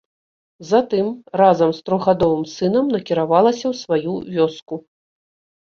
Затым разам з трохгадовым сынам накіравалася ў сваю вёску.